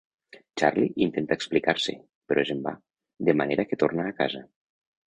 Charlie intenta explicar-se, però és en va, de manera que torna a casa.